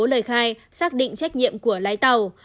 khởi khai xác định trách nhiệm của lái tàu